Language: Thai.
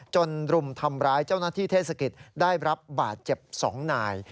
รุมทำร้ายเจ้าหน้าที่เทศกิจได้รับบาดเจ็บ๒นาย